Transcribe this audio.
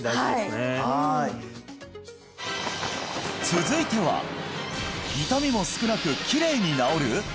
はい続いては痛みも少なくきれいに治る！？